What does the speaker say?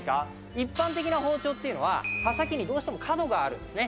一般的な包丁っていうのは刃先にどうしても角があるんですね。